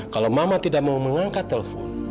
kalau mama tidak mau mengangkat telepon